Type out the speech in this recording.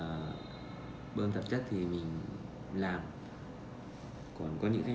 cơ sở bơm tạp chất vào tôm đông lạnh này